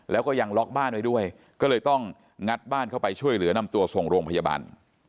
แล้วก็ยังล็อกบ้านไว้ด้วยก็เลยต้องงัดบ้านเข้าไปช่วยเหลือนำตัวส่งโรงพยาบาล